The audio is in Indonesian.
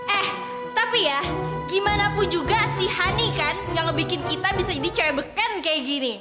eh tapi ya gimana pun juga si honey kan yang bikin kita bisa jadi cewek beken kayak gini